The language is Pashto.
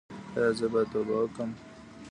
ایا زه باید توبه وکړم؟